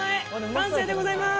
完成でございます！